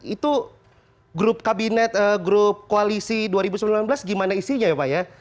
itu grup kabinet grup koalisi dua ribu sembilan belas gimana isinya ya pak ya